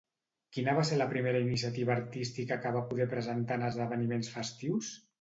Quina va ser la primera iniciativa artística que va poder presentar en esdeveniments festius?